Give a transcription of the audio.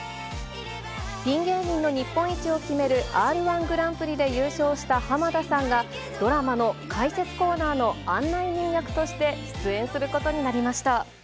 ピン芸人の日本一を決めるＲー１ぐらんぷりで優勝した濱田さんが、ドラマの解説コーナーの案内人役として出演することになりました。